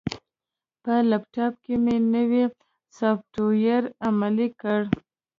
په لپټاپ کې مې نوی سافټویر عملي کړ.